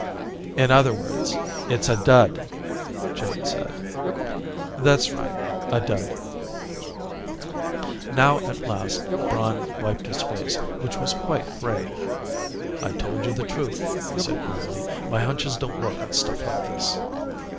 "In other words, it's a dud," Joan said. "That's right, a dud." Now, at last, Braun wiped his face, which was quite gray. "I told you the truth," he said grimly. "My hunches don't work on stuff like this."